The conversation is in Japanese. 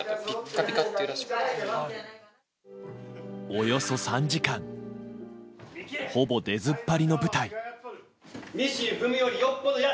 およそ３時間ほぼ出ずっぱりの舞台。